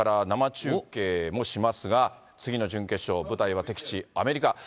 このあとマイアミから生中継もしますが、次の準決勝、舞台は敵地、アメリカ。